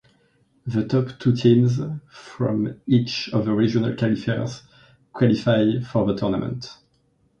The top two teams from each of the regional qualifiers qualify for the tournament.